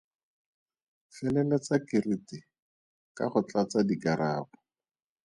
Feleletsa keriti ka go tlatsa dikarabo.